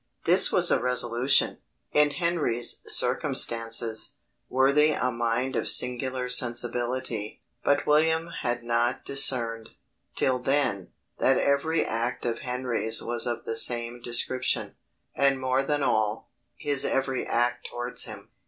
This was a resolution, in Henry's circumstances, worthy a mind of singular sensibility: but William had not discerned, till then, that every act of Henry's was of the same description; and more than all, his every act towards him.